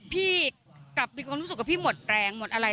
พี่กลับมีความรู้สึกว่าพี่หมดแรงหมดอะไร